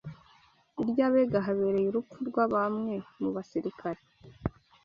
I Ryabega habereye urupfu rwa bamwe mu basirikare